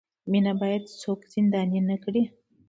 مینه باید څوک زنداني نه کړي.